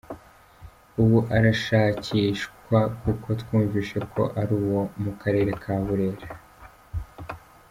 Ubu aracyashakishwa kuko twumvise ko ari uwo mu karere ka Burera.